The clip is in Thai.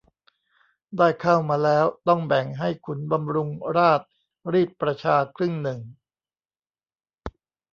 ได้ข้าวมาแล้วต้องแบ่งให้ขุนบำรุงราชรีดประชาครึ่งหนึ่ง